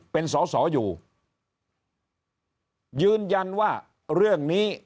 เป็นสอสออยู่ยืนยันว่าเรื่องนี้